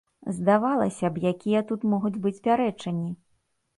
Здавалася б, якія тут могуць быць пярэчанні?